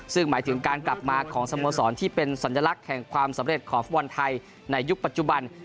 ซึ่งหมายถึงการกลับมาของสโมสรที่เป็นสัญลักษณ์แห่งความสำเร็จของฟุตบอลไทยในยุคปัจจุบัน